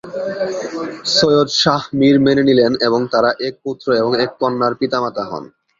সৈয়দ শাহ মীর মেনে নিলেন এবং তারা এক পুত্র এবং এক কন্যার পিতা-মাতা হন।